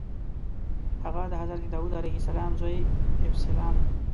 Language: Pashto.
هغه د حضرت داود علیه السلام زوی ابسلام و.